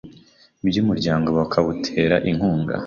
by umuryango bakawutera inkunga